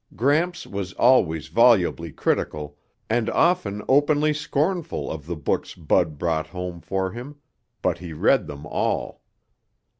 Gramps was always volubly critical and often openly scornful of the books Bud brought home for him, but he read them all.